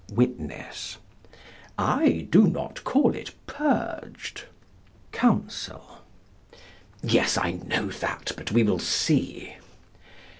Witness: I do not call it purged. Counsel: Yes, I know that; but we will see.